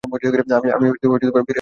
আমি ফিরে আসছি।